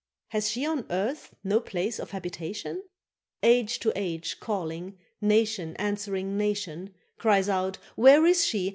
—Hath she on earth no place of habitation? —Age to age calling, nation answering nation, Cries out, Where is she?